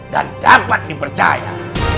dan dapat dipercaya